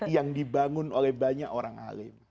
yang dibangun oleh banyak orang alim